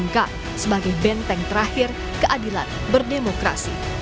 dan dari tim yang terakhir keadilan berdemokrasi